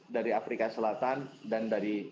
dari afrika selatan dan dari